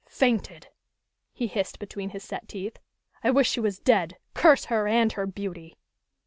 "Fainted!" he hissed between his set teeth. "I wish she was dead! Curse her and her beauty!"